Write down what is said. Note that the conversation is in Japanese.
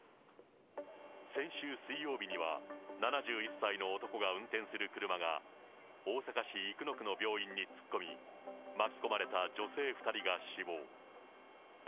先週水曜日には７１歳の男が運転する車が、大阪市生野区の病院に突っ込み、巻き込まれた女性２人が死亡。